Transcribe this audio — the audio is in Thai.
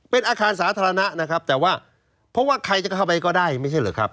เป็นอาคารสาธารณะนะครับแต่ว่าเพราะว่าใครจะเข้าไปก็ได้ไม่ใช่เหรอครับ